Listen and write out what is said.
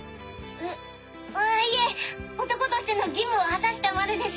えっあぁいえ男としての義務を果たしたまでです。